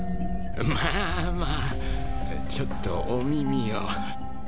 まあまあちょっとお耳を。